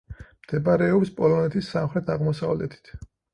მდებარეობს პოლონეთის სამხრეთ-აღმოსავლეთით.